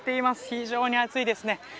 非常に暑いですね。